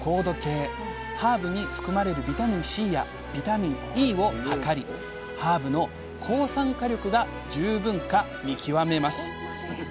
ハーブに含まれるビタミンＣやビタミンＥを測りハーブの抗酸化力が十分か見極めます。